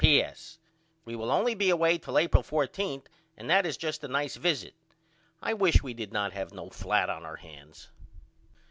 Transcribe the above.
P.S. We will only be away till April 14 and that is just a nice visit. I wish we did not have no flat on our hands.